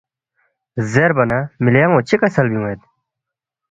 زیربا نہ ”مِلی ان٘و چِہ کسل بیون٘ید؟“